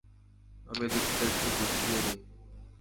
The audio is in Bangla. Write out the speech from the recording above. আমি এদিকটা একটু গুছিয়ে নি।